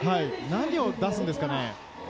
何を出すんですかね。